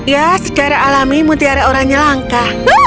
ya secara alami mutiara orangnya langka